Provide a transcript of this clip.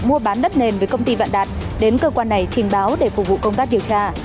mua bán đất nền với công ty vạn đạt đến cơ quan này trình báo để phục vụ công tác điều tra